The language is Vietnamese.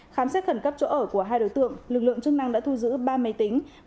khám xét khẩn cấp chỗ ở của hai đối tượng lực lượng chức năng đã thu giữ ba máy tính